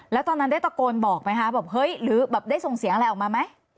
แล้วตอนนั้นได้ตะโกนบอกไหมคะแบบเฮ้ยหรือแบบได้ส่งเสียงอะไรออกมาไหม